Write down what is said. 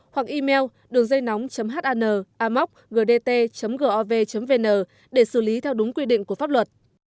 hoặc email đườngdâynóng hanamoggdt gov vn để xử lý theo đúng quy định của pháp luật